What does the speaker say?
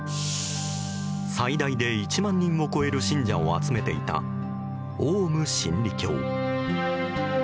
最大で１万人を超える信者を集めていた、オウム真理教。